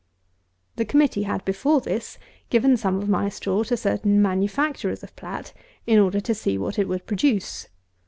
219. The committee had, before this, given some of my straw to certain manufacturers of plat, in order to see what it would produce.